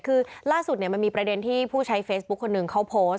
คือล่าสุดมันมีประเด็นที่ผู้ใช้เฟซบุ๊คคนหนึ่งเขาโพสต์